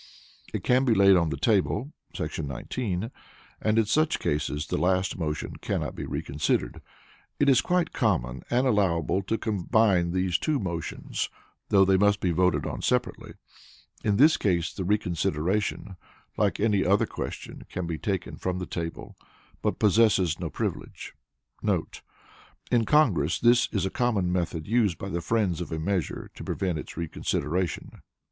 It can be laid on the table [§ 19], and in such cases the last motion cannot be reconsidered; it is quite common and allowable to combine these two motions (though they must be voted on separately); in this case, the reconsideration like any other question, can be taken from the table, but possesses no privilege. [In Congress this is a common method used by the friends of a measure to prevent its reconsideration.